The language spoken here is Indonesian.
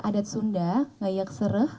adat sunda ngayak serh